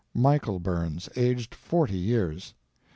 Michael Burns, aged 40 years.